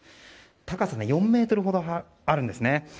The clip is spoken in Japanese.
高さ４ｍほどあるんですね。